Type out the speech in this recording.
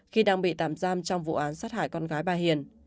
khi đang bị tạm giam trong vụ án sát hại con gái bà hiền